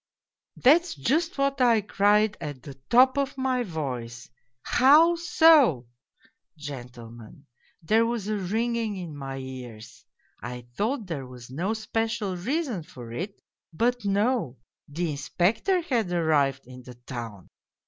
" That's just what I cried at the top of my voice, ' How so ?' Gentlemen, there was a ringing in my ears. I thought there was no special reason for it but no, the Inspector had arrived in the town.